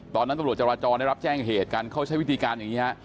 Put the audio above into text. ตอนนั้นตำรวจจรจรได้รับแจ้งเหตุการเข้าใช้วิธีการอย่างนี้